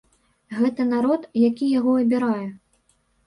Гэта народ, які яго абірае.